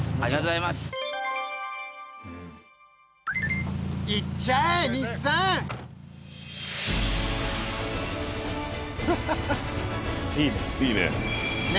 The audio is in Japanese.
いいね。